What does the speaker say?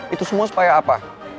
itu semua supaya apa